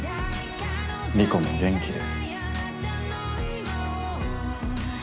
莉子も元気で。